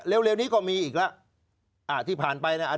เร็วนี้ก็มีอีกแล้วที่ผ่านไปนะ